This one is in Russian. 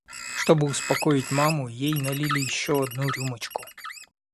Чтобы успокоить маму, ей налили еще одну рюмочку.